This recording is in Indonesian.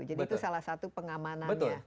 jadi itu salah satu pengamanannya